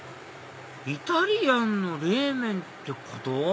イタリアンの冷麺ってこと？